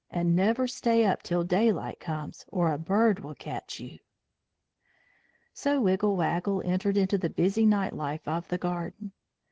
And never stay up till daylight comes, or a bird will catch you." So Wiggle Waggle entered into the busy night life of the garden.